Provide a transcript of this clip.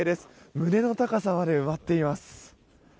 胸の高さまで埋まっています。